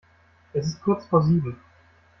Es ist kurz vor sieben.